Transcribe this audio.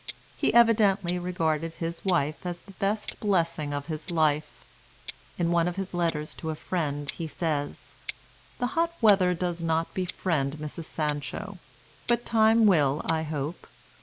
He evidently regarded his wife as the best blessing of his life. In one of his letters to a friend he says: "The hot weather does not befriend Mrs. Sancho, but time will, I hope.